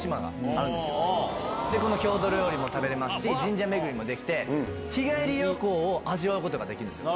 郷土料理も食べれますし神社巡りもできて日帰り旅行を味わうことができるんですよ。